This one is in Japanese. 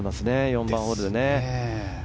４番ホールでね。